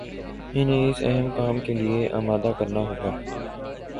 انہیں اس اہم کام کے لیے آمادہ کرنا ہو گا